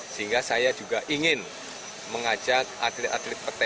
sehingga saya juga ingin mengajak atlet atlet pertandingan